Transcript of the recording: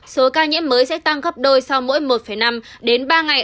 số ca nhiễm mới sẽ tăng gấp đôi sau mỗi một năm đến ba ngày